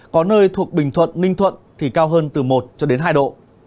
có nơi thuộc bình thuận ninh thuận thì cao hơn từ một hai độ